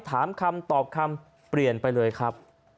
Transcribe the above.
คำตอบคำเปลี่ยนไปเลยครับ